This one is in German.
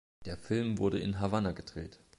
Der Film wurde in Havanna gedreht.